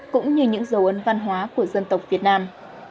cũng như những dấu ấn văn hóa của dân tộc việt nam